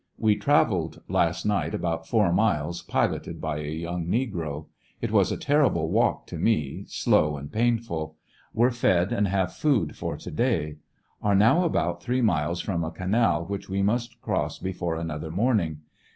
We traveled last night about four miles, piloted by a young negro. It was a terrible walk to me; slow and painful. Were fed, and have food for to day. FINAL ESCAPE, 145 Are now about three miles from a canal which we must cross before another morning.